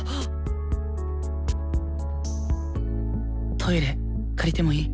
トイレ借りてもいい？